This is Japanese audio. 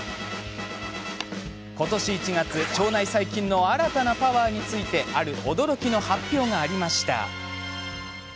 今年１月、腸内細菌の新たなパワーについてある驚きの発表がありました。